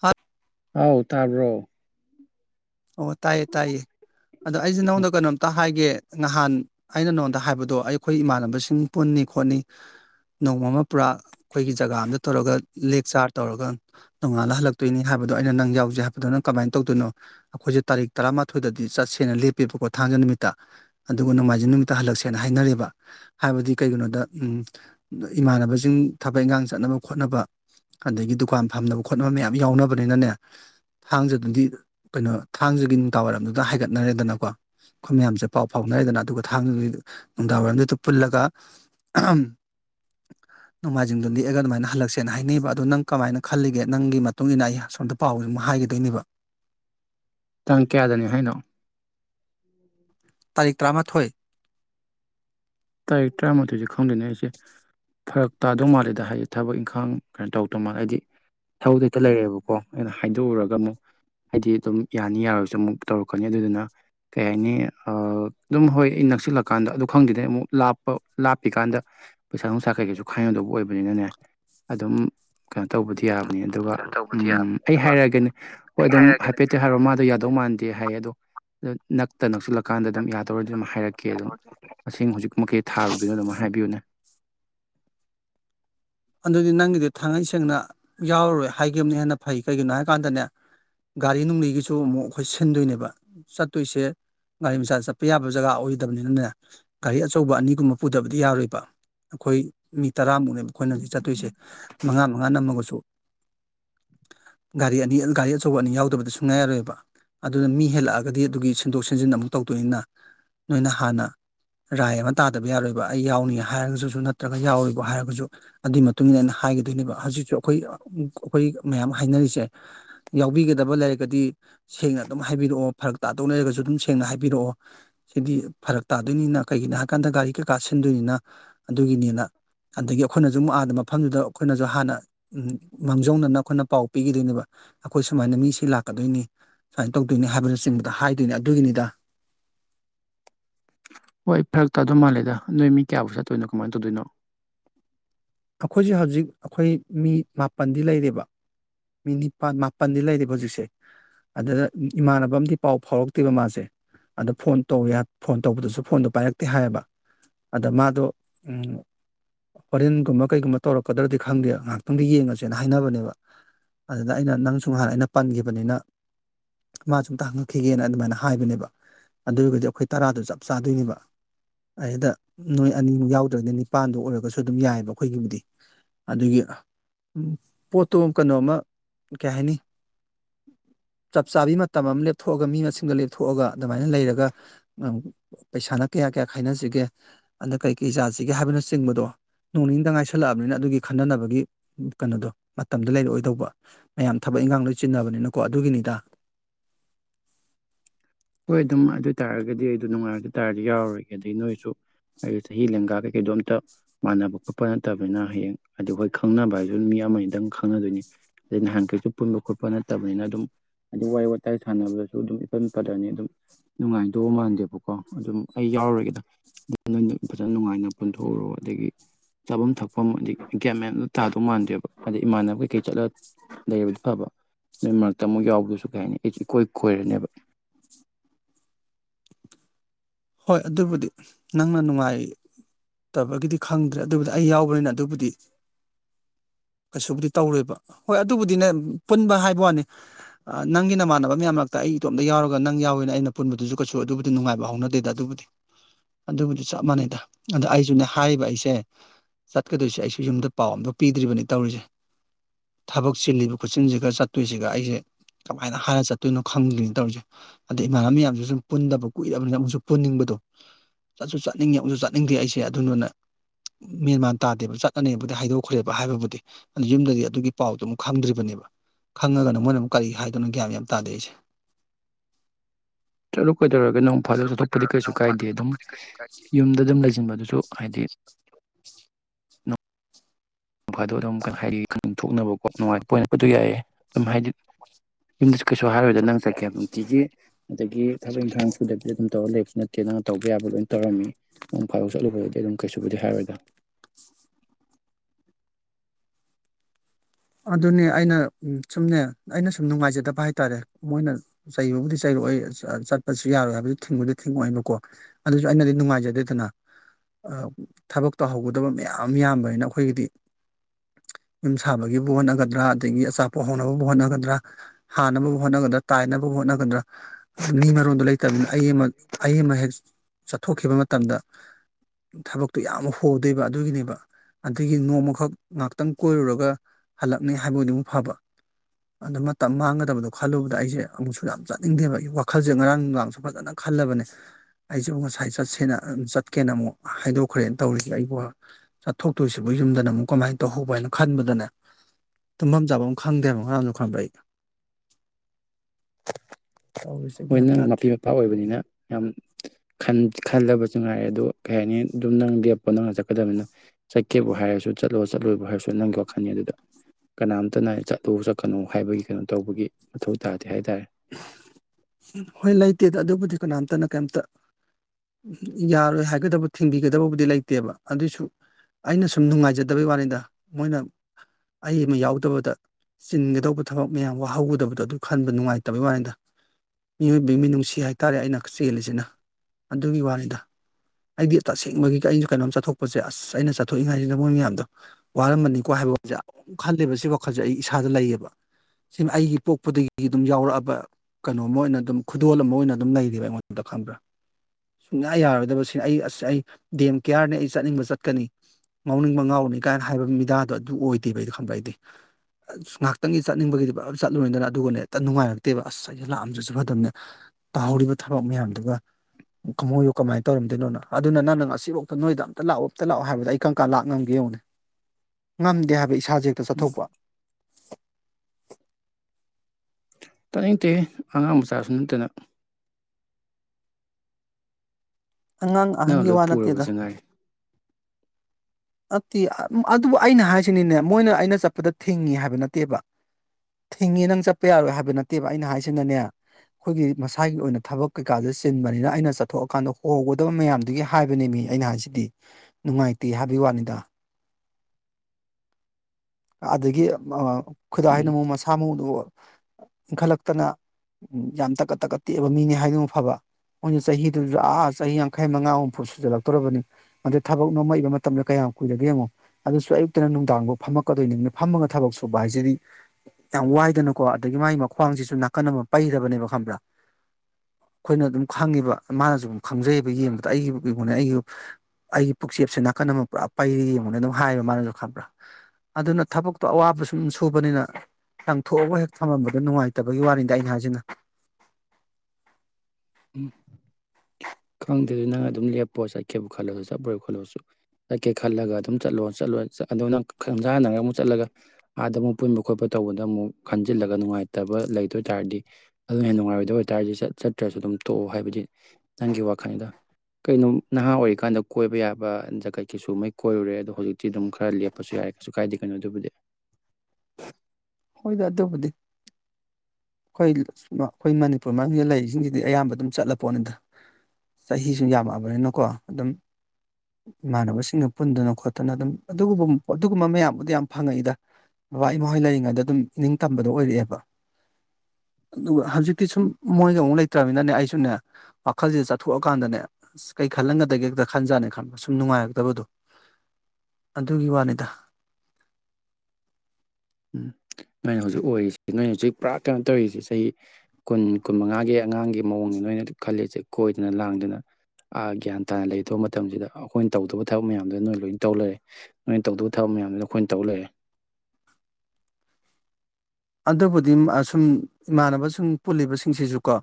ꯍꯥ ꯍꯥꯎ ꯇꯥꯕ꯭ꯔꯣ ꯑꯣ ꯇꯥꯏꯌꯦ ꯇꯥꯏꯌꯦ ꯑꯗꯣ ꯑꯩꯁꯦ ꯑꯣ, ꯅꯉꯣꯟꯗ ꯀꯩꯅꯣꯝꯇ ꯍꯥꯏꯒꯦ ꯅꯍꯥꯟ ꯑꯩꯅ ꯅꯉꯣꯟꯗ ꯍꯥꯏꯕꯗꯣ ꯑꯩꯈꯣꯏ ꯏꯃꯥꯟꯅꯕꯁꯤꯡ ꯄꯨꯟꯅꯤ ꯈꯣꯠ ꯅꯤ ꯅꯣꯡꯃ ꯑꯃ ꯄꯨꯔꯥ ꯑꯩꯈꯣꯏꯒꯤ ꯖꯒꯥ ꯑꯝꯗ ꯇꯧꯔꯒ ꯂꯦꯛ ꯆꯥꯔ ꯇꯧꯔꯒ ꯅꯣꯡꯉꯥꯜꯂ ꯍꯜꯂꯛꯇꯣꯏꯅꯤ ꯍꯥꯏꯕ ꯑꯗꯣ ꯑꯩꯅ ꯅꯪ ꯌꯥꯎꯖꯩꯦ ꯍꯥꯏꯕꯗꯣ ꯅꯪ ꯀꯃꯥꯏꯅ ꯇꯧꯗꯣꯏꯅꯣ ꯑꯩꯈꯣꯏꯁꯦ ꯇꯥꯔꯤꯛ ꯇꯔꯥꯃꯥꯊꯣꯏꯗꯗꯤ ꯆꯠꯁꯦꯅ ꯂꯦꯞꯄꯦꯕꯀꯣ ꯊꯥꯡꯖ ꯅꯨꯃꯤꯠꯇ ꯑꯗꯨꯒ ꯅꯣꯡꯃꯥꯏꯖꯤꯡ ꯅꯨꯃꯤꯠꯇ ꯍꯜꯂꯛꯁꯦꯅ ꯍꯥꯏ ꯅꯔꯦꯕ ꯍꯥꯏꯕꯗꯤ ꯀꯩꯒꯤꯅꯣꯗ ꯎꯝ ꯏꯃꯥꯟꯅꯕꯁꯤꯡ ꯊꯕꯛ ꯏꯟꯈꯥꯡ ꯆꯠꯅꯕ ꯈꯣꯠꯅꯕ ꯑꯗꯒꯤ ꯗꯨꯀꯥꯟ ꯐꯝꯅꯕ ꯈꯣꯠꯅꯕ ꯃꯌꯥꯝ ꯌꯥꯎꯅꯕꯅꯤꯅꯅꯦ ꯊꯥꯡꯖ ꯑꯗꯨꯗꯤ ꯀꯩꯅꯣ ꯊꯥꯡꯖꯒꯤ ꯅꯨꯡꯗꯥꯡꯋꯥꯏꯔꯝꯗꯨꯗ ꯍꯥꯏꯒꯠꯅꯔꯦꯗꯅꯀꯣ ꯑꯩꯈꯣꯏ ꯃꯌꯥꯝꯁꯦ ꯄꯥꯎ ꯐꯥꯎꯅꯔꯗꯅ ꯑꯗꯨꯒ ꯊꯥꯡꯖꯗ ꯅꯨꯡꯗꯥꯡ ꯋꯥꯏꯔꯝꯗꯨꯗ ꯄꯨꯜꯂꯒ [inaudible] ꯅꯣꯡꯃꯥꯏꯖꯤꯡꯗꯨꯗꯤ ꯑꯩꯒ ꯑꯗꯨꯃꯥꯏꯅ ꯅ‌ꯣꯡꯃꯥꯏꯖꯤꯡ ꯗꯨ ꯂ‌ꯦꯛꯑꯒ ꯍꯜꯂꯛꯁꯦꯅ ꯍꯥꯏꯅꯩꯕ ꯑꯗꯣ ꯅꯪ ꯀꯃꯥꯏꯅ ꯈꯜꯂꯤꯒꯦ ꯅꯪꯒꯤ ꯃꯇꯨꯡ ꯏꯟꯅ ꯑꯩ ꯑꯁꯣꯝꯗ ꯄꯥꯎ ꯑꯗꯨꯝ ꯍꯥꯏ ꯍꯥꯏꯒꯤꯗꯣꯏꯅꯦꯕ ꯇꯥꯡ ꯀꯌꯥꯗꯅꯤ ꯍꯥꯏꯅꯣ ꯇꯥꯔꯤꯛ ꯇꯔꯥꯃꯥꯊꯣꯏ ꯇꯥꯔꯤꯛ ꯇꯔꯥꯃꯥꯊꯣꯏꯁꯦ ꯈꯪꯗꯅꯦ ꯑꯩꯁꯦ ꯐꯔꯛ ꯇꯥꯗꯧ ꯃꯥꯜꯂꯦꯗ ꯍꯥꯏꯗꯤ ꯊꯕꯛ ꯏꯪꯈꯥꯡ ꯀꯩꯅꯣ ꯇꯧꯗꯧ ꯃꯥꯜꯂꯦ ꯍꯥꯏꯗꯤ ꯊꯧꯗꯇ ꯂꯩꯔꯦꯕꯀꯣ ꯑꯩꯅ ꯍꯥꯏꯗꯣꯛꯎꯔꯒ ꯑꯃꯨꯛ ꯍꯥꯏꯗꯤ ꯑꯗꯨꯝ ꯌꯥꯅꯤ ꯌꯥꯔꯒꯁꯨ ꯑꯃꯨꯛ ꯇꯧꯔꯛꯀꯅꯤ ꯑꯗꯨꯗꯨꯅ ꯀꯩ ꯍꯥꯏꯅꯤ ꯑꯗꯨꯝ ꯍꯣꯏ ꯅꯛꯁꯤꯜꯂꯀꯥꯟꯗ ꯈꯪꯈꯤꯗꯦ ꯑꯃꯨꯛ ꯂꯥꯞꯄ ꯂꯥꯞꯄꯤ ꯀꯥꯟꯗ ꯄꯩꯁꯥ ꯅꯨꯡꯁꯥ ꯀꯩꯀꯩꯁꯨ ꯈꯥꯏꯅꯗꯧꯕ ꯑꯣꯏꯕꯅꯤꯅꯅꯦ ꯑꯗꯨꯝ ꯀꯩꯅꯣ ꯇꯧꯕꯗꯤ ꯌꯥꯕꯅꯤ ꯑꯗꯨꯒ ꯎꯝ ꯑꯩ ꯍꯥꯏꯔꯛꯑꯒꯅꯤ ꯍꯣꯏ ꯑꯗꯨꯝ ꯍꯥꯏꯐꯦꯠꯇꯤ ꯍꯥꯏꯔꯣ ꯃꯥꯗꯣ ꯌꯥꯗꯧ ꯃꯥꯥꯟꯂ ꯈꯦ ꯍꯥꯏ ꯑꯣ ꯅꯛꯇ ꯅꯛꯁꯤꯜꯂꯀꯥꯟꯗ ꯑꯗꯨꯝ ꯌꯥꯗꯧꯔꯗꯤ ꯑꯗꯨꯝ ꯍꯥꯏꯔꯛꯀꯦ ꯑꯗꯨꯝ ꯃꯁꯤꯡ ꯍꯧꯖꯤꯛ ꯊꯥꯔꯨꯒꯦꯅ ꯑꯗꯨꯝ ꯍꯥꯏꯕꯤꯌꯨꯅꯦ ꯑꯗꯨꯗꯤ ꯅꯪꯒꯤꯗꯤ ꯊꯥꯡꯃꯩ ꯁꯦꯡꯅ ꯌꯥꯎꯔꯔꯣꯏ ꯍꯥꯏꯒꯈꯤꯕꯅ ꯍꯦꯟꯅ ꯐꯩ ꯀꯩꯒꯤꯅꯣ ꯍꯥꯏ ꯀꯥꯟꯗꯅꯦ ꯒꯥꯔꯤ ꯅꯨꯡꯂꯤꯒꯤꯁꯨ ꯑꯃꯨꯛ ꯑꯩꯈꯣꯏ ꯁꯤꯟꯗꯣꯏꯅꯦꯕ ꯆꯠꯇꯣꯏꯁꯦ ꯒꯥꯔꯤ ꯃꯆꯥ ꯆꯠꯄ ꯌꯥꯕ ꯖꯒꯥ ꯑꯣꯏꯗꯕꯅꯤꯅꯅꯦ ꯒꯥꯔꯤ ꯑꯆꯧꯕ ꯑꯅꯤꯒꯨꯝꯕ ꯄꯨꯗꯕꯗꯤ ꯌꯥꯔꯣꯏꯕ ꯑꯩꯈꯣꯏ ꯃꯤ ꯇꯔꯥꯃꯨꯛꯅꯦꯕ ꯑꯩꯈꯣꯏꯅ ꯍꯧꯖꯤꯛ ꯆꯠꯇꯣꯏꯁꯦ ꯃꯉꯥ ꯃꯉꯥ ꯅꯝꯃꯒꯁꯨ ꯒꯥꯔꯤ ꯑꯅꯤ ꯒꯥꯔꯤ ꯑꯆꯧꯕ ꯑꯅꯤ ꯌꯥꯎꯗꯕꯗ ꯁꯨꯡꯉꯥꯏ ꯌꯥꯔꯣꯏꯕ ꯑꯗꯨꯅ ꯃꯤ ꯍꯦꯜꯂꯛꯑꯒꯗꯤ ꯑꯗꯨꯒꯤ ꯁꯦꯝꯗꯣꯛ ꯁꯦꯝꯖꯤꯟ ꯑꯃꯨꯛ ꯇꯧꯗꯣꯏꯅꯤꯅ ꯅꯣꯏꯅ ꯍꯥꯟꯅ ꯔꯥꯏ ꯑꯃ ꯇꯥꯗꯕ ꯌꯥꯔꯣꯏꯕ ꯑꯩ ꯌꯥꯎꯅꯤ ꯍꯥꯏꯔꯒꯁꯨ ꯅꯠꯇ꯭ꯔꯒ ꯌꯥꯎꯔꯤꯕ ꯍꯥꯏꯔꯒꯁꯨ ꯑꯗꯨꯏ ꯃꯇꯨꯡ ꯏꯟꯅ ꯑꯩꯅ ꯍꯥꯏꯒꯗꯣꯏꯅꯦꯕ ꯍꯧꯖꯤꯛꯁꯨ ꯑꯩꯈꯣꯏ ꯑꯩꯈꯣꯏ ꯃꯌꯥꯝ ꯍꯥꯏꯅꯔꯤꯁꯦ ꯍꯥꯏꯕꯤꯒꯗꯕ ꯂꯩꯔꯒꯗꯤ ꯁꯦꯡꯅ ꯑꯗꯨꯝ ꯍꯥꯏꯕꯤꯔꯛꯑꯣ ꯐꯔꯛ ꯇꯥꯗꯧ ꯂꯩꯔꯒꯁꯨ ꯑꯗꯨꯝ ꯁꯦꯡꯅ ꯍꯥꯏꯕꯤꯔꯛꯑꯣꯗꯤ ꯐꯔꯛ ꯇꯥꯗꯣꯏꯅꯤꯅ ꯀꯩꯒꯤꯅꯣ ꯍꯥꯏ ꯀꯥꯟꯗ ꯒꯥꯔꯤ ꯀꯩ ꯀꯥ ꯁꯤꯟꯗꯣꯏꯅꯤꯅ ꯑꯗꯨꯒꯤꯅꯤꯅ ꯑꯗꯒꯤ ꯑꯩꯈꯣꯏꯅꯁꯨ ꯃꯨꯛ ꯑꯗ ꯃꯐꯝꯗꯨꯗ ꯑꯩꯈꯣꯏꯅꯁꯨ ꯍꯥꯟꯅ ꯎ ꯃꯥꯡꯖꯧꯅꯅ ꯑꯩꯈꯣꯏꯅ ꯄꯥꯎ ꯄꯤꯈꯤꯗꯣꯏꯅꯦꯕ ꯑꯩꯈꯣꯏ ꯁꯨꯃꯥꯏꯅ ꯃꯤꯁꯤ ꯂꯥꯛꯀꯗꯣꯏꯅꯤ ꯁꯨꯃꯥꯏꯅ ꯇꯧꯗꯣꯏꯅꯤ ꯍꯥꯏꯕꯅ ꯆꯤꯡꯕꯗ ꯍꯥꯏꯗꯣꯏꯅꯤ ꯑꯗꯨꯒꯤꯅꯤꯗ [unintelligible] ꯍꯣꯏ ꯐꯔꯛ ꯇꯥꯗꯧ ꯃꯥꯜꯂꯦꯗ ꯅꯣꯏ ꯃꯤ ꯀꯌꯥꯐꯧ ꯆꯠꯇꯣꯏꯅꯣ ꯀꯃꯥꯏꯅ ꯇꯧꯗꯣꯏꯅꯣ ꯑꯩꯈꯣꯏꯁꯦ ꯍꯧꯖꯤꯛ ꯑꯩꯈꯣꯏ ꯃꯤ ꯃꯥꯄꯜꯗꯤ ꯂꯩꯔꯕ ꯃꯤ ꯅꯤꯄꯥꯜ ꯃꯥꯄꯜꯗꯤ ꯂꯩꯔ ꯍꯧꯖꯤꯛꯁꯦ ꯑꯗꯨꯗ ꯏꯃꯥꯟꯅꯕ ꯑꯝ ꯄꯥꯎ ꯐꯥꯎꯔꯛꯇꯦꯕ ꯃꯥꯁꯦ ꯑꯗꯣ ꯐꯣꯟ ꯇꯧꯋ ꯐꯣꯟ ꯇꯧꯕꯗꯨꯁꯨ ꯐꯣꯟꯗꯣ ꯄꯥꯏꯔꯛꯇꯦ ꯍꯥꯏꯌꯦꯕ ꯑꯗ ꯃꯥꯗꯣ ꯍꯣꯔꯦꯟꯒꯨꯝꯕ ꯀꯩꯒꯨꯝꯕ ꯇꯧꯔꯛꯀꯗ꯭ꯔꯗꯤ ꯈꯪꯗꯦ ꯉꯥꯏꯍꯥꯛꯇꯪꯗꯤ ꯌꯦꯡꯉꯁꯦꯅ ꯍꯥꯏꯅꯕꯅꯦꯕ ꯑꯗꯨꯗ ꯑꯩꯅ ꯅꯪꯁꯨ ꯍꯥꯟ ꯑꯩꯅ ꯄꯟꯈꯤꯕꯅꯤꯅ ꯃꯥꯁꯨ ꯑꯝꯇ ꯍꯪꯉꯛꯈꯤꯒꯦꯅ ꯑꯗꯨꯃꯥꯏꯅ ꯍꯥꯏꯕꯅꯦꯕ ꯑꯗꯨ ꯑꯣꯏꯔꯒꯗꯤ ꯑꯩꯈꯣꯏ ꯇꯔꯥꯗꯨꯣ ꯆꯞ ꯆꯥꯗꯣꯏꯅꯦꯕ ꯑꯩꯗ ꯅꯣꯏ ꯑꯅꯤꯃꯨꯛ ꯌꯥꯎꯗ꯭ꯔꯒꯗꯤ ꯅꯤꯄꯥꯟꯗ ꯑꯣꯏꯔꯒꯁꯨ ꯑꯗꯨꯝ ꯌꯥꯏꯑꯕꯀꯣ ꯑꯩꯈꯣꯏꯒꯤꯕꯨꯗꯤ ꯑꯗꯨꯒꯤ ꯎꯝ ꯄꯣꯠꯇꯣ ꯀꯩꯅꯣꯝꯃ ꯀꯩ ꯍꯥꯏꯅꯤ ꯆꯞ ꯆꯥꯕꯤ ꯃꯇꯝ ꯑꯃ ꯂꯦꯞꯊꯣꯛꯑꯒ ꯃꯤ ꯃꯁꯤꯡꯗ ꯂꯦꯞꯊꯣꯛꯑꯒ ꯑꯗꯨꯃꯥꯏꯅ ꯂꯩꯔꯒ ꯎ ꯄꯩꯁꯥꯅ ꯀꯩ ꯀꯌꯥ ꯀꯌꯥ ꯈꯥꯏꯅꯁꯤꯒꯦ ꯑꯟꯗ ꯀꯩ ꯀꯩ ꯆꯥꯁꯤꯒꯦ ꯍꯥꯏꯕꯅꯆꯤꯡꯕꯗꯣ ꯅꯣꯡ ꯇ ꯉꯥꯏꯁꯜꯂꯛꯑꯕꯅꯤꯅ ꯑꯗꯨꯒꯤ ꯈꯟꯅꯅꯕꯒꯤ ꯀꯩꯅꯣꯗꯣ ꯃꯇꯝꯗ ꯂꯩꯔꯛꯑꯣꯏꯗꯧꯕ ꯃꯌꯥꯝ ꯊꯕꯛ ꯏꯪ ꯑꯉꯥꯡ ꯂꯣꯏ ꯆꯤꯟꯅꯕꯅꯤꯅꯀꯣ ꯑꯗꯨꯒꯤꯅꯤꯗ ꯍꯣꯏ ꯑꯗꯨꯝ ꯑꯗꯨ ꯑꯣꯏꯇꯥꯥꯔꯒꯗꯤ ꯑꯩꯗ ꯅꯨꯡꯉꯥꯏꯔ ꯑꯗꯨ ꯇꯥꯔꯗꯤ ꯌꯥꯎꯔꯒꯦ ꯑꯗꯩ ꯅꯣꯏꯁꯨ ꯑꯩ ꯆꯍꯤ ꯂꯒꯥꯥꯛ ꯀ ꯀꯩꯗꯣꯝꯇ ꯃꯥꯟꯅꯕ ꯈꯣꯠꯄ ꯅꯠꯇꯕꯅꯤꯅ ꯍꯌꯦꯡ ꯍꯥꯏ ꯍꯣꯏ ꯈꯪꯅꯕ ꯍꯥꯏꯁꯨ ꯃꯤ ꯑꯃꯅꯤꯗꯪ ꯈꯪꯅꯗꯣꯏꯅꯤ ꯑꯗꯩ ꯅꯍꯥꯟꯈꯩꯁꯨ ꯄꯨꯟꯕ ꯈꯣꯠꯄ ꯅꯠꯇꯕꯅꯤꯅ ꯑꯗꯨꯝ ꯑꯩ ꯋꯥꯔꯤ ꯋꯥꯇꯥꯏ ꯁꯥꯟꯅꯕꯗꯁꯨ ꯑꯗꯨꯝ ꯏꯄꯟ ꯔꯅꯤ ꯑꯗꯨꯝ ꯅꯨꯡꯉꯥꯏꯗꯧ ꯃꯥꯟꯗꯦꯕꯀꯣ ꯑꯗꯨꯝ ꯑꯩ ꯌꯥꯎꯔꯒꯦꯗ ꯅꯣꯏ ꯐꯖꯅ ꯅꯨꯡꯉꯥꯏꯅ ꯄꯨꯟꯊꯣꯛꯎꯔꯨꯔ ꯑꯗꯒꯤ ꯆꯥꯐꯝ ꯊꯛꯐꯝ ꯑꯗꯒꯤꯒꯦꯝ ꯃꯌꯥꯝꯗ ꯇꯥꯗꯧ ꯃꯥꯟꯗꯦꯕ ꯑꯗꯩ ꯏꯃꯥꯟꯅꯕ ꯀꯩꯀꯩ ꯆꯠꯂ ꯂꯩꯕꯗꯤ ꯐꯕ ꯑꯗꯨꯒꯤ ꯃꯔꯛꯇ ꯑꯃꯨꯛ ꯌꯥꯎꯗ꯭ꯔꯁꯨ ꯀꯩ ꯍꯥꯏꯅꯤ ꯑꯩꯁꯨꯦ ꯏꯀꯣꯏ ꯈꯣꯏꯔꯅꯦꯕ ꯍꯣꯏ ꯑꯗꯨꯕꯨꯗꯤ ꯅꯪꯅ ꯅꯨꯡꯉꯥꯏ ꯇꯕꯒꯤꯗꯤ ꯈꯪꯗ꯭ꯔꯦ ꯑꯗꯨꯕꯨꯗꯤ ꯑꯩ ꯌꯥꯎꯕꯅꯤꯅ ꯑꯗꯨꯕꯨꯗꯤ ꯀꯩꯁꯨꯕꯨꯗꯤ ꯇꯧꯔꯨꯕ ꯍꯣꯏ ꯑꯗꯨꯕꯨꯗꯤꯅꯦ ꯄꯨꯟꯕ ꯍꯥꯏꯕ ꯋꯥꯅꯤ ꯅꯪꯒꯤ ꯅꯃꯥꯟꯅꯕ ꯃꯌꯥꯝ ꯂꯛꯇꯥꯏ ꯑꯩ ꯏꯇꯣꯝꯇ ꯌꯥꯎꯔꯒ ꯅꯪ ꯌꯥꯎꯋꯦꯅ ꯑꯩꯅ ꯄꯨꯟꯕꯗꯨꯁꯨ ꯀꯩꯁꯨ ꯑꯗꯨꯕꯨꯗꯤ ꯅꯨꯡꯉꯥꯏꯕ ꯍꯧꯥꯎꯅꯗꯦꯗ ꯑꯗꯨꯕꯨꯗꯤ ꯑꯗꯨꯕꯨꯗꯤ ꯆꯞ ꯃꯥꯟꯅꯩꯗ ꯑꯗ ꯑꯩꯁꯨꯅꯦ ꯍꯥꯏꯔꯤꯕ ꯑꯩꯁꯦ ꯆꯠꯀꯗꯣꯏꯁꯦ ꯑꯩꯁꯨ ꯌꯨꯝꯗ ꯄꯥꯎ ꯑꯝꯗ ꯄꯤꯗ꯭ꯔꯤꯕꯅꯤ ꯇꯧꯔꯤꯁꯦ ꯊꯕꯛ ꯆꯤꯜꯂꯤꯕ ꯈꯣꯠꯆꯤꯟꯁꯤꯒ ꯆꯠꯇꯣꯏꯁꯤꯒ ꯑꯩꯁꯦ ꯀꯃꯥꯏꯅ ꯍꯥꯏꯥꯟꯅ ꯆꯠꯇꯣꯏꯅꯣ ꯈꯪꯗ꯭ꯣꯏꯅ ꯇꯧꯔꯤꯁꯦ ꯑꯗꯩ ꯏꯃꯥꯟꯅꯕ ꯃꯌꯥꯝꯁꯨ ꯁꯨꯝ ꯄꯨꯟꯗꯕ ꯀꯨꯏꯗꯕꯅꯤꯅꯨꯁꯨ ꯄꯨꯅꯤꯡꯕꯗꯣ ꯆꯠꯁꯨ ꯆꯠꯅꯤꯡꯉꯦ ꯑꯃꯨꯛꯁꯨ ꯆꯠꯅꯤꯡꯗꯦ ꯑꯩꯁꯦ ꯑꯗꯨꯗꯨꯅ ꯃꯦꯟꯃꯥꯟ ꯇꯥꯗꯦꯕ ꯆꯠꯅꯅꯦꯕꯨꯗꯤ ꯍꯥꯏꯗꯣꯛꯈ꯭ꯔꯦꯕ ꯍꯥꯏꯕꯕꯨꯗꯤ ꯑꯗꯨ ꯌꯨꯝꯗꯗꯤ ꯑꯗꯨꯒꯤ ꯄꯥꯎꯗꯨꯣ ꯑꯃꯨꯛ ꯈꯪꯗ꯭ꯔꯤꯕꯅꯦꯕ ꯈꯪꯉꯒꯅꯣ ꯃꯣꯏꯅ ꯑꯃꯨꯛ ꯀꯔꯤ ꯍꯥꯏꯗꯨꯅ ꯒ꯭ꯌꯥꯟ ꯌꯥꯝ ꯇꯥꯗꯣꯏꯔꯤꯁꯦ ꯆꯠꯨꯛ ꯀꯣꯏꯗꯧꯔꯒ ꯅꯣꯡ ꯐꯥꯗ ꯆꯄ ꯗꯤ ꯀꯩꯁꯨ ꯀꯥꯏꯗꯦ ꯑꯗꯨꯝ ꯌꯨꯝꯗ ꯑꯗꯨꯝ ꯂꯩꯁꯤꯟꯕꯗꯨꯁꯨ ꯍꯥꯏꯗꯤ ꯅ ꯃꯈꯗꯣ ꯑꯗꯨꯝ ꯍꯥꯏꯗꯤ ꯈ ꯊꯣꯛꯣꯛꯅꯕꯀꯣ ꯅꯨꯡꯉꯥꯏꯄ ꯑꯣꯏꯅ ꯑꯗꯨ ꯌꯥꯏꯑ ꯑꯗꯨꯝ ꯍꯥꯏꯗꯤ ꯌꯨꯝꯗꯁꯨ ꯀꯩꯁꯨ ꯍꯥꯏꯔꯦꯗ ꯅꯪ ꯆꯠꯀꯦ ꯅꯨꯡꯇꯤꯒꯤ ꯑꯗꯒꯤ ꯊꯕꯛ ꯏꯪꯈꯥꯡ ꯁꯨꯗꯕꯤꯗꯤ ꯑꯗꯨꯝ ꯇꯧꯔꯒ ꯂꯩꯕꯁꯨ ꯅꯠꯇꯦ ꯅꯪꯅ ꯇꯧꯕ ꯌꯥꯕ ꯂꯣꯏ ꯇꯧꯔꯝꯃꯤ ꯅꯪ ꯐꯥꯧ ꯆꯠꯂꯨꯕꯗꯗꯤ ꯑꯗꯨꯝ ꯀꯩꯁꯨꯕꯨꯗꯤ ꯍꯥꯏꯔꯣꯏꯗ ꯑꯗꯨꯅꯦ ꯑꯩꯅ ꯎ ꯁꯨꯝꯅꯦ ꯑꯩꯅ ꯁꯨꯝ ꯅꯨꯡꯉꯥꯏꯖꯗꯕ ꯍꯥꯏꯇꯥꯔꯦ ꯃꯣꯏꯅ ꯆꯩꯕꯕꯨꯗꯤ ꯆꯩꯕ ꯆꯠꯄꯁꯨ ꯌꯥꯔꯣꯏ ꯍꯥꯏꯕꯗꯨ ꯊꯤꯡꯕꯗꯤ ꯊꯤꯡꯉꯑꯣꯏꯕꯀꯣ ꯑꯗꯨꯁꯨ ꯑꯩꯅꯗꯤ ꯅꯨꯡꯉꯥꯏꯖꯗꯦꯗꯅ ꯊꯕꯛ ꯇꯧꯍꯧꯒꯗꯕ ꯃꯌꯥꯝ ꯌꯥꯝꯕꯅꯤꯅ ꯑꯩꯈꯣꯏꯒꯤꯗꯤ ꯌꯨꯝ ꯁꯥꯕꯒꯤ ꯒꯤꯕꯨ ꯍꯣꯠꯅꯒꯗ꯭ꯔꯥ ꯑꯗꯒꯤ ꯑꯆꯥꯄꯣꯠ ꯍꯧꯣꯡꯅꯕꯕꯨ ꯍꯣꯠꯅꯒꯗ꯭ꯔꯥ ꯍꯥꯟꯅꯕꯕꯨ ꯍꯣꯠꯅꯒꯗ꯭ꯔꯥ ꯇꯥꯏꯅꯕ ꯍꯣꯠꯅꯒꯗ꯭ꯔꯥ ꯑꯗꯨ ꯃꯤ ꯃꯔꯣꯟꯗꯣ ꯂꯩꯇꯕꯅꯤꯅ ꯑꯩ ꯑꯃ ꯑꯩ ꯑꯃ ꯍꯦꯛ ꯆꯠꯊꯣꯛꯈꯤꯕ ꯃꯇꯝꯗ ꯊꯕꯛꯇꯣ ꯌꯥꯝ ꯍꯣꯗꯣꯏꯕ ꯑꯗꯨꯒꯤꯅꯦꯕ ꯑꯗꯒꯤ ꯅꯣꯡꯃꯈꯛ ꯉꯍꯥꯛꯇꯪ ꯀꯣꯏꯔꯨꯔꯒ ꯍꯜꯂꯛꯅꯤ ꯍꯥꯏꯕꯗꯤ ꯑꯃꯛ ꯐꯕ ꯑꯗ ꯃꯇꯝ ꯃꯥꯡꯒꯗꯕꯗꯣ ꯈꯜꯂꯨꯕꯗ ꯑꯩꯁꯦ ꯑꯃꯨꯛꯁꯨ ꯌꯥꯝ ꯆꯠꯅꯤꯡꯗꯦꯕ ꯑꯩꯒꯤ ꯋꯥꯈꯜꯁꯦ ꯉꯔꯥꯡ ꯅꯨꯡꯗꯥꯥꯡꯁꯨ ꯐꯖꯅ ꯈꯜꯂꯕꯅꯦ ꯑꯩꯁꯤꯕꯨ ꯉꯁꯥꯏ ꯆꯠꯁꯦꯅ ꯆꯠꯀꯦꯅ ꯑꯃꯨꯛ ꯍꯥꯏꯗꯣꯛꯈ꯭ꯔꯦꯅ ꯇꯧꯔꯤꯁꯦ ꯑꯩꯕꯨ ꯆꯠꯊꯣꯛꯇꯣꯏꯁꯤꯕꯨ ꯌꯨꯝꯗꯅ ꯑꯃꯨꯛ ꯀꯃꯥꯏꯅ ꯇꯧꯍꯧꯕ ꯍꯥꯏꯅ ꯈꯟꯕꯗꯅꯦ ꯇꯨꯝꯐꯝ ꯆꯥꯐꯝ ꯑꯃ ꯈꯪꯗꯦꯕ ꯉꯔꯥꯡꯁꯨ ꯈꯪꯕ꯭ꯔ ꯑꯩꯩꯅ [unintelligible] ꯃꯣꯏꯅ ꯃꯄꯤ ꯃꯄꯥ ꯑꯣꯏꯕꯅꯤꯅ ꯌꯥꯝ ꯈꯟ ꯈꯜꯂꯕꯁꯨ ꯉꯥꯏꯔꯦ ꯑꯗꯨꯣ ꯀꯩ ꯍꯥꯏꯅꯤ ꯑꯗꯨꯝ ꯅꯪꯗꯦꯄꯣꯠ ꯅꯪꯒ ꯆꯠꯀꯗꯕꯅꯤꯅ ꯆꯠꯀꯦꯕꯨ ꯍꯥꯏꯔꯁꯨ ꯆꯠꯂꯣꯠ ꯆꯠꯂꯣꯏꯕ ꯍꯥꯏꯔꯁꯨ ꯅꯪꯒꯤ ꯋꯥꯈꯟꯅꯤ ꯑꯗꯨꯗ ꯀꯅꯥꯝꯇꯅ ꯆꯠꯂꯨ ꯆꯠꯀꯅꯨ ꯍꯥꯏꯕꯒꯤ ꯀꯩꯅꯣ ꯇꯧꯕꯒꯤ ꯃꯊꯧ ꯇꯥꯗꯦ ꯍꯥꯏ ꯇꯔꯦ ꯍꯣꯏ ꯂꯩꯇꯦꯗ ꯑꯗꯨꯕꯨꯗꯤ ꯀꯅꯥꯝꯇꯅ ꯀꯩꯝꯇ ꯌꯥꯔꯣꯏ ꯍꯥꯏꯒꯗꯕ ꯊꯤꯡꯕꯤꯒꯗꯕꯕꯨꯗꯤ ꯂꯩꯇꯦꯕ ꯑꯗꯨꯏꯁꯨ ꯑꯩꯅ ꯁꯨꯝ ꯅꯨꯡꯉꯥꯏꯖꯗꯕꯩ ꯋꯥꯔꯤꯗ ꯃꯣꯏꯅ ꯑꯩ ꯑꯃ ꯌꯥꯎꯗꯕꯗ ꯆꯤꯟꯒꯗꯧꯕ ꯊꯕꯛ ꯃꯌꯥꯝ ꯋꯥꯍꯧꯒꯗꯕꯗꯣ ꯑꯗꯨ ꯈꯟꯕ ꯅꯨꯡꯉꯥꯏꯇꯦ ꯇꯕꯤ ꯃꯥꯏꯅꯤꯗ ꯃꯤꯑꯣꯏꯕꯒꯤ ꯃꯤꯅꯨꯡꯁꯤ ꯍꯥꯏꯇꯥꯔꯦ ꯑꯩꯅ ꯆꯦꯜꯂꯤꯁꯤꯅ ꯑꯗꯨꯒꯤ ꯋꯥꯅꯤꯗ ꯍꯥꯏꯗꯤ ꯇꯁꯦꯡꯕꯒꯤ ꯑꯩꯅꯁꯨ ꯀꯩꯅꯣꯝ ꯆꯊꯣꯛꯄꯁꯦ ꯑꯁ ꯑꯩꯅ ꯆꯠꯊꯣꯛꯏꯉꯥꯏꯁꯤꯗ ꯃꯣꯏ ꯃꯌꯥꯝꯗꯣ ꯋꯥꯔꯝꯕꯅꯤꯀꯣ ꯍꯥꯏ ꯈꯂꯦꯕ ꯋꯥꯈꯜꯁꯦ ꯑꯩ ꯏꯁꯥꯗ ꯂꯩꯌꯦꯕ ꯑꯩꯒꯤ ꯄꯣꯛꯄ ꯑꯗꯨꯝ ꯌꯥꯎꯔꯑ ꯀꯩꯅꯣꯝꯃ ꯑꯣꯏꯅ ꯑꯗꯨꯝ ꯈꯨꯗꯣꯜ ꯑꯃ ꯑꯣꯏꯅ ꯑꯗꯨꯝ ꯂꯩꯔꯤꯕ ꯑꯩꯉꯣꯟꯗꯝꯗ ꯈꯪꯕ꯭ꯔꯥ ꯁꯨꯡꯌꯥ ꯌꯥꯔꯣꯏꯗꯕꯁꯤꯡ ꯑꯩ ꯑꯁ ꯑꯩ ꯗꯦꯝ ꯀꯤꯌꯥꯔꯅꯤ ꯑꯩ ꯆꯠꯅꯤꯡꯕ ꯆꯠꯀꯅꯤ ꯉꯥꯎꯅꯤꯡꯕ ꯉꯥꯎꯅꯤ ꯀꯥꯏꯅ ꯍꯥꯏꯕ ꯃꯤꯗꯥꯗꯣ ꯑꯗꯨ ꯑꯣꯏꯗꯦꯕ ꯑꯩꯗꯣ ꯈꯟꯕ ꯑꯩꯗꯤ ꯑꯁ ꯉꯥꯏꯍꯥꯛꯇꯪꯒꯤ ꯆꯠꯅꯤꯡꯕꯒꯤꯗꯤ ꯆꯠꯂꯨꯔꯗꯅ ꯑꯗꯨꯒꯅ ꯍꯦꯛꯇ ꯅꯨꯡꯉꯥꯏꯔꯦ ꯇꯦꯕ ꯑꯁ ꯑꯩꯁ ꯂꯥꯛꯑꯝꯖꯁꯨ ꯐꯗꯝꯕꯅꯦ ꯇꯥꯍꯧꯔꯤꯕ ꯊꯕꯛ ꯃꯌꯥꯝꯗꯨꯒ ꯀꯪꯃꯣꯏꯌꯨ ꯀꯃꯥꯏꯅ ꯇꯧꯔꯝꯗꯅꯣ ꯑꯗꯨꯅ ꯅꯪꯅ ꯉꯁꯤꯐꯥꯎꯗ ꯅꯣꯏꯗ ꯑꯝꯇ ꯂꯥꯛꯑꯣ ꯑꯝꯇ ꯂꯥꯛꯑꯣ ꯍꯥꯏꯕꯗ ꯑꯩ ꯀꯪꯀꯥ ꯂꯥꯛ ꯉꯝꯒꯦ ꯉꯝꯗꯦ ꯍꯥꯏꯕ ꯏꯁꯥꯁꯦ ꯍꯦꯛꯇ ꯎꯝ ꯆꯠꯊꯣꯛꯄ ꯇꯥꯅꯤꯡꯗꯦ ꯑꯉꯥꯡ ꯃꯆꯥꯁꯨ ꯅꯠꯇꯅ ꯑꯉꯥꯡ ꯅꯪ ꯑꯍꯟꯒꯤ ꯂꯣꯏ ꯋꯥ ꯅꯠꯇꯦꯗ ꯄꯨꯔꯕꯁꯨ ꯉꯥꯏꯔꯦ ꯑꯠꯇꯤ ꯑꯗꯨꯕꯨ ꯑꯩꯅ ꯍꯥꯏꯁꯤꯅꯤꯅꯦ ꯃꯣꯏꯅ ꯑꯩꯅ ꯆꯠꯄꯗ ꯊꯤꯡꯉꯤ ꯍꯥꯏꯕ ꯅꯠꯇꯦꯕ ꯊꯤꯡꯉꯤ ꯅꯪ ꯆꯠꯄ ꯌꯥꯔꯣꯏ ꯍꯥꯏꯕ ꯅꯠꯇꯦꯕ ꯑꯩꯅ ꯍꯥꯏꯁꯤꯅꯅꯦ ꯑꯩꯈꯣꯏꯒꯤ ꯃꯁꯥꯒꯤ ꯑꯣꯏꯅ ꯊꯕꯛ ꯀꯩꯀꯥꯗ ꯆꯤꯟꯕꯅꯤꯅ ꯑꯩꯅ ꯆꯠꯊꯣꯛꯑꯀꯥꯟꯗ ꯍꯣꯧꯒꯗꯕ ꯃꯌꯥꯝꯗꯨꯒꯤ ꯍꯥꯏꯕꯅꯦ ꯃꯤ ꯑꯩꯅ ꯍꯥꯏꯁꯤꯗꯤ ꯅꯨꯡꯉꯥꯏꯇꯦ ꯍꯥꯏꯕꯒꯤ ꯋꯥꯠꯅꯤꯗ ꯑꯗꯒꯤ ꯈꯨꯗꯥ ꯎꯝ ꯍꯥꯏꯅ ꯑꯃ ꯃꯁꯥ ꯃꯎꯗꯨ ꯏꯟꯈꯠꯂꯛꯇꯅ ꯎꯝ ꯌꯥꯝ ꯇꯀꯠ ꯇꯛꯀꯠ ꯇꯦꯛꯑꯕ ꯃꯤꯅꯤ ꯍꯥꯏꯗꯨꯃ ꯐꯕ ꯃꯅ ꯆꯍꯤꯗꯨꯗ ꯑꯥ ꯆꯍꯤ ꯌꯥꯡꯈꯩ ꯃꯉꯥ ꯍꯨꯝꯐꯨ ꯁꯨꯖꯜꯂꯛꯇꯧꯕꯅꯤ ꯑꯗꯨꯩ ꯊꯕꯛ ꯅꯣꯃꯛꯏꯕ ꯃꯇꯝꯗ ꯀꯌꯥꯝ ꯀꯨꯏꯒꯦ ꯌꯦꯡꯉꯣ ꯑꯗꯨꯁꯨ ꯑꯌꯨꯛꯇꯅꯪ ꯅꯨꯡꯗꯥꯡꯐꯥꯎ ꯐꯝꯃꯛꯀꯗꯣꯏꯅꯤ ꯐꯝꯃꯒ ꯊꯕꯛ ꯁꯨꯕ ꯍꯥꯏꯁꯤꯗꯤ ꯌꯥꯝ ꯋꯥꯏꯗꯅꯀꯣ ꯑꯗꯒꯤ ꯃꯥꯒꯤ ꯃꯈ꯭ꯋꯥꯡꯁꯤꯁꯨ ꯅꯥꯀꯟ ꯑꯃ ꯄꯩꯕꯅꯦꯕ ꯈꯪꯕ꯭ꯔꯥ ꯑꯩꯈꯣꯏꯅ ꯑꯗꯨꯝ ꯈꯪꯉꯤꯕ ꯃꯥꯅꯁꯨ ꯑꯗꯨꯝ ꯈꯪꯖꯩꯌꯦꯕ ꯌꯦꯡꯕꯗ ꯑꯩꯒꯤ ꯀꯣꯅꯦ ꯑꯩꯒꯤ ꯑꯩꯒꯤ ꯄꯨꯛꯆꯦꯞꯁꯤ ꯅꯥꯀꯟ ꯑꯃ ꯄꯨꯔꯥ ꯄꯩꯔ ꯌꯦꯡꯕꯗ ꯑꯗꯨꯝ ꯍꯥꯏꯕ ꯃꯥꯅꯁꯨ ꯈꯪꯕ꯭ꯔꯥ ꯑꯗꯨꯅ ꯊꯕꯛꯇꯣ ꯑꯋꯥꯕ ꯁꯨꯝ ꯁꯨꯕꯅꯤꯅ ꯂꯪꯊꯣꯛꯑꯕꯨ ꯍꯦꯛ ꯊꯝꯃꯝꯕꯗꯣ ꯅꯨꯡꯉꯥꯏꯇꯕꯒꯤ ꯋꯥꯔꯤꯅꯤꯗ ꯑꯩꯅ ꯍꯥꯏꯁꯤꯅ ꯎꯝ ꯈꯪꯗꯦꯗ ꯅꯪ ꯑꯗꯨꯝ ꯂꯦꯞꯄ ꯆꯠꯀꯦꯕꯨ ꯈꯜꯂꯁꯨ ꯆꯠꯄꯕꯨ ꯈꯜꯂꯁꯨ ꯆꯠꯀꯦ ꯈꯜꯂꯒ ꯑꯗꯨꯝ ꯆꯠꯂꯣ ꯆꯠꯂꯣ ꯑꯗꯨꯅ ꯈꯪꯖꯥ ꯍꯥꯟꯅꯔꯒ ꯑꯃꯨꯛ ꯆꯠꯂꯒ ꯑꯥꯗ ꯑꯃꯨꯛ ꯄꯨꯟꯕ ꯈꯣꯠꯄ ꯇꯧ ꯇꯧꯕꯗ ꯑꯃꯨꯛ ꯈꯟꯖꯤꯜꯂꯒ ꯅꯨꯡꯉꯥꯏꯇꯕ ꯂꯩꯇꯣꯏꯕ ꯇꯥꯔꯗꯤ ꯑꯗꯨꯅ ꯍꯦꯟꯅ ꯅꯨꯡꯉꯥꯏꯔꯗꯕ ꯑꯣꯏꯕꯇꯥꯥꯔꯗꯤꯠ ꯆꯠꯇ꯭ꯔꯁꯨ ꯑꯗꯨꯝ ꯇꯣ ꯍꯥꯏꯕꯗꯤ ꯅꯪꯒꯤ ꯋꯥꯈꯜꯅꯤꯗ ꯀꯩꯅꯣ ꯅꯍꯥ ꯑꯣꯏꯔꯤꯀꯥꯟꯗ ꯀꯣꯏꯕ ꯌꯥꯕ ꯑꯗ ꯀꯩ ꯀꯩꯁꯨ ꯃꯩ ꯀꯣꯏꯔꯨꯔꯦ ꯑꯗꯣ ꯍꯧꯖꯤꯛꯇꯤ ꯑꯗꯨꯝ ꯈꯔ ꯂꯦꯞꯄꯁꯨ ꯌꯥꯏ ꯀꯩꯁꯨ ꯀꯥꯏꯗꯦ ꯀꯩꯅꯣ ꯑꯗꯨꯕꯨꯗꯤ ꯍꯣꯏꯗ ꯑꯗꯨꯕꯨꯗꯤ ꯑꯩꯈꯣꯏ ꯑꯩꯈꯣꯏ ꯃꯅꯤꯄꯨꯔ ꯃꯅꯨꯡꯁꯤ ꯂꯩꯁꯤꯡꯁꯤꯗꯤ ꯑꯌꯥꯝꯕ ꯑꯗꯨꯝ ꯆꯠꯂ ꯄꯣꯠꯅꯤꯗ ꯆꯍꯤꯁꯨ ꯌꯥꯝꯃꯛꯑꯕꯅꯤꯅꯀꯣ ꯑꯗꯨꯝ ꯏꯃꯥꯟꯅꯕꯁꯤꯡꯅ ꯄꯨꯟꯗꯅ ꯈꯣꯠꯇꯅ ꯑꯗꯨꯝ ꯑꯗꯨꯒꯨꯝꯕ ꯑꯗꯨꯒꯨꯝꯕ ꯃꯌꯥꯝꯕꯨꯗꯨ ꯌꯥꯝ ꯐꯪꯉꯛꯏꯗ ꯕꯥ ꯏꯃꯍꯣꯏ ꯂꯩꯔꯤꯉꯩꯗ ꯑꯗꯨꯝ ꯏꯅꯤꯡꯇꯝꯕꯗꯣ ꯑꯣꯏꯔꯛꯑꯦꯕ ꯑꯗꯨꯒ ꯍꯧꯖꯤꯛꯇꯤ ꯁꯨꯝ ꯃꯣꯏꯒ ꯑꯃꯨꯛ ꯂꯩꯇ꯭ꯔꯕꯅꯤꯅꯅꯦ ꯑꯩꯁꯨꯅꯦ ꯃꯈꯈꯜꯁꯦ ꯆꯠꯊꯣꯛꯑꯀꯥꯟꯗꯅꯦ ꯑꯩ ꯈꯜꯂꯝꯟꯒꯗꯒꯦꯛꯇ ꯈꯟꯖꯥꯠꯅꯤ ꯈꯟꯕ ꯁꯨꯝ ꯅꯨꯡꯉꯥꯏꯔꯛꯇꯕꯗꯣ ꯑꯗꯨꯒꯤ ꯋꯥꯅꯤꯗ ꯎꯝ ꯅꯣꯏꯅ ꯍꯧꯖꯤꯛ ꯑꯣꯏꯔꯤꯁꯤ ꯅꯣꯏ ꯍꯧꯖꯤꯛ ꯄꯨꯔꯥ ꯀꯩꯅꯣ ꯇꯧꯔꯤꯁꯤ ꯆꯍꯤ ꯀꯨꯟ ꯀꯨꯟꯃꯉꯥꯒꯤ ꯑꯉꯥꯡꯒꯤ ꯃꯑꯣꯡꯅꯤꯅ ꯅꯣꯏꯅ ꯈꯜꯂꯤꯁꯦ ꯀꯣꯏꯗꯅ ꯂꯥꯡꯗꯅ ꯑ ꯒ꯭ꯌꯥꯟ ꯇꯥꯅ ꯂꯩꯇꯕ ꯃꯇꯝꯁꯤꯗ ꯑꯩꯈꯣꯏꯅ ꯇꯧꯗꯕ ꯊꯕꯛ ꯃꯌꯥꯝꯗꯨꯣ ꯅꯣꯏ ꯂꯣꯏꯅ ꯇꯧ ꯂꯩꯔꯦ ꯅꯣꯏ ꯇꯧꯗꯕ ꯊꯕꯛ ꯃꯌꯥꯝꯁꯤꯗ ꯑꯩꯈꯣꯏꯅ ꯇꯧ ꯂꯩꯛꯑꯦ [unintelligible] ꯑꯗꯨꯕꯨꯗꯤ ꯁꯨꯝ ꯏꯃꯥꯟꯅꯕꯁꯤꯡ ꯄꯨꯜꯂꯤꯕꯁꯤꯡꯁꯤꯁꯨ ꯀꯣ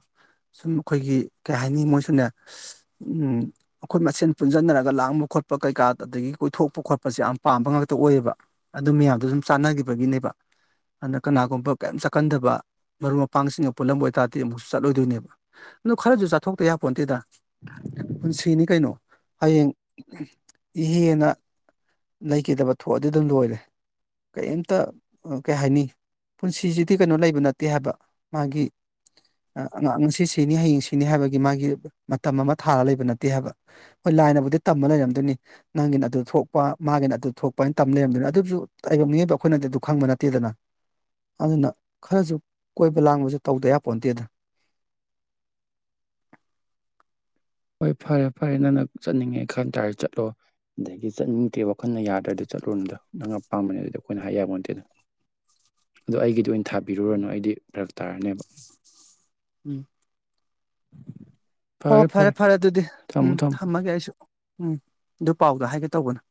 ꯁꯨꯝ ꯑꯩꯈꯣꯏꯒꯤ ꯀꯩ ꯍꯥꯏꯅꯤ ꯃꯣꯏꯁꯨꯅꯦ ꯑꯩꯈꯣꯏ ꯃꯁꯦꯟ ꯄꯨꯟꯁꯤꯟꯅꯔꯒ ꯂꯥꯡꯕ ꯈꯣꯠ ꯈꯣꯠꯄ ꯀꯩꯀꯥ ꯑꯗꯒꯤ ꯀꯣꯏꯊꯣꯛꯄ ꯈꯣꯠꯄꯁꯦ ꯌꯥꯝ ꯄꯥꯝꯕ ꯉꯥꯛꯇ ꯑꯣꯏꯌꯦꯕ ꯑꯗꯨ ꯃꯌꯥꯝꯗꯣ ꯁꯨꯝ ꯆꯥꯟꯅꯈꯤꯕꯒꯤꯅꯦꯕ ꯑꯗꯨꯅ ꯀꯅꯥꯒꯨꯝꯕ ꯀꯩꯝ ꯆꯥꯛꯀꯟꯗꯕ ꯃꯔꯨꯞ ꯃꯄꯥꯡꯁꯤꯡꯒ ꯄꯨꯜꯂꯝꯕ ꯑꯣꯏꯇꯥꯥꯔꯗꯤ ꯑꯃꯨꯛꯁꯨ ꯆꯠꯂꯣꯏꯗꯣꯏꯅꯦꯕ ꯑꯗꯨꯣ ꯈꯔꯁꯨ ꯆꯥꯊꯣꯛꯇ ꯌꯥꯄꯣ ꯅꯠꯇꯦꯗ ꯄꯨꯟꯁꯤꯅꯤ ꯀꯩꯅꯣ ꯍꯌꯦꯡ ꯏꯍꯦꯟꯅ ꯂꯩꯈꯤꯗꯕ ꯊꯣꯛꯑꯗꯤ ꯑꯗꯨꯝ ꯂꯣꯏꯔꯦ ꯀꯔꯤꯝꯇ ꯀꯩ ꯍꯥꯏꯅꯤ ꯄꯨꯟꯁꯤꯁꯤꯗꯤ ꯀꯩꯅꯣ ꯂꯩꯕ ꯅꯠꯇꯦ ꯍꯥꯏꯕ ꯃꯥꯒꯤ ꯑꯥꯡ ꯉꯁꯤ ꯁꯤꯅꯤ ꯍꯌꯦꯡ ꯁꯤꯅꯤ ꯍꯥꯏꯕꯒꯤ ꯃꯥꯒꯤ ꯃꯇꯝ ꯑꯃ ꯊꯥꯔ ꯂꯩꯕ ꯅꯠꯇꯦ ꯍꯥꯏꯕ ꯂꯥꯏꯅꯕꯨꯗꯤ ꯇꯝꯕ ꯂꯩꯔꯝꯗꯣꯏꯅꯤ ꯅꯪꯒꯤꯅ ꯑꯗꯨ ꯊꯣꯛꯄ ꯃꯥꯒꯤꯅ ꯑꯗꯨ ꯊꯣꯛꯄꯅ ꯇ ꯂꯩꯔꯝꯗꯣꯏꯅꯤ ꯑꯗꯨꯁꯨ ꯑꯏꯕ ꯑꯩꯈꯣꯏꯅꯗꯤ ꯑꯗꯨ ꯈꯪꯕ ꯅꯠꯇꯦꯗꯅ ꯑꯗꯨꯅ ꯈꯔꯁꯨ ꯀꯣꯏꯕ ꯂꯥꯡꯕꯁꯨ ꯇꯧꯗ ꯌꯥ ꯄꯣꯟꯣꯟꯗꯦꯗ [unintelligible] ꯍꯣꯏ ꯐꯔꯦ ꯐꯔꯦ ꯅꯪꯅ ꯆꯠꯅꯤꯡꯉꯦ ꯈꯟꯇꯥꯔꯗꯤ ꯆꯠꯂꯣ ꯑꯗꯒꯤ ꯆꯠꯅꯤꯡꯗꯦ ꯋꯥꯈꯜꯅ ꯌꯥꯗ꯭ꯔꯗꯤ ꯆ ꯆꯠꯂꯨꯗ ꯅꯪꯅ ꯄꯥꯝꯕꯅꯦ ꯑꯗꯨꯏꯗꯤ ꯑꯩꯈꯣꯏꯅ ꯍꯥꯏ ꯌꯥꯕ ꯅꯠꯇꯦꯗꯅ [unintelligible] ꯑꯗꯣ ꯑꯩꯒꯤꯗꯤ ꯑꯣꯏꯅ ꯊꯥꯕꯤꯔꯨꯔꯅꯨ ꯎꯝ ꯑꯩꯗꯤ ꯐꯔꯛ ꯇꯥꯔꯅꯦꯕ ꯎꯝ ꯍꯣ ꯐꯔꯦ ꯐꯔꯦ ꯑꯗꯨꯗꯤ ꯊꯝꯃꯣ ꯎꯝ ꯊꯝꯃꯣ ꯊꯝꯃꯒꯦ ꯑꯩꯁꯨ ꯎꯝ ꯑꯗꯨ ꯄꯥꯎꯗ ꯍꯥꯏꯒꯦ ꯇꯧꯕꯅ